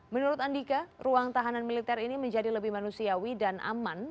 menurut andika ruang tahanan militer ini menjadi lebih manusiawi dan aman